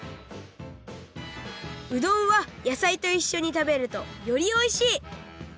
うどんはやさいといっしょに食べるとよりおいしい！